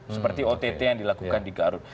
seperti ott yang dilakukan di garut